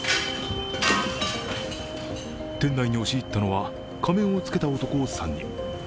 店内に押し入ったのは仮面をつけた男３人。